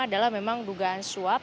adalah memang dugaan suap